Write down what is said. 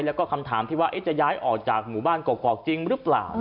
แล้วก็คำถามที่ว่าจะย้ายออกจากหมู่บ้านกรอกจริงหรือเปล่า